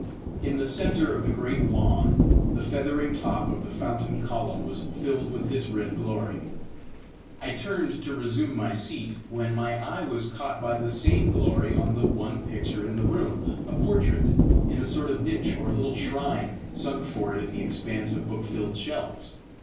In the centre of the great lawn the feathering top of the fountain column was filled with his red glory. I turned to resume my seat, when my eye was caught by the same glory on the one picture in the room a portrait, in a sort of niche or little shrine sunk for it in the expanse of book filled shelves.